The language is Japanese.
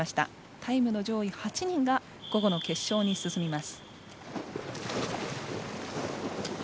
タイムの上位８人が午後の決勝に進みます。